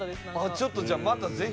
ちょっとじゃあまたぜひ。